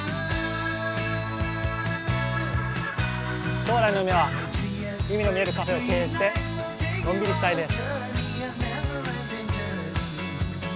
将来の夢は海の見えるカフェを経営して、のんびりしたいです。